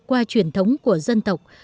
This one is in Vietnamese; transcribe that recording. qua truyền thống của dân tộc